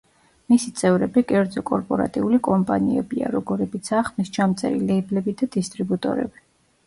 მისი წევრები კერძო კორპორატიული კომპანიებია, როგორებიცაა ხმისჩამწერი ლეიბლები და დისტრიბუტორები.